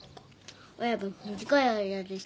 親分短い間でしたが。